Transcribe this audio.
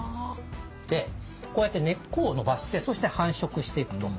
でこうやって根っこを伸ばしてそして繁殖していくと。